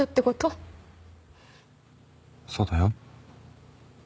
そうだよ。